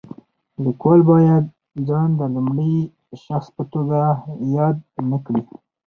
لیکوال باید ځان د لومړي شخص په توګه یاد نه کړي.